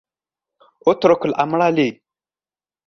اترك الأمر لي.